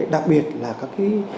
đặc biệt là các